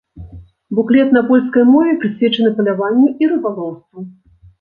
Буклет на польскай мове прысвечаны паляванню і рыбалоўству.